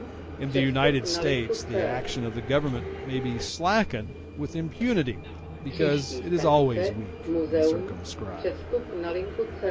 In the United States the action of the Government may be slackened with impunity, because it is always weak and circumscribed.